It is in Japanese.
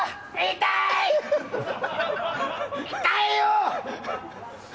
痛いよ！